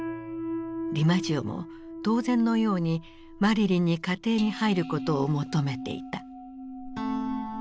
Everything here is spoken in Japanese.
ディマジオも当然のようにマリリンに家庭に入ることを求めていた。